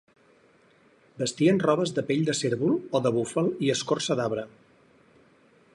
Vestien robes de pell de cérvol o de búfal i escorça d'arbre.